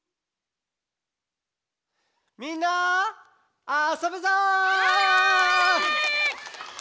みんなあそぶぞ！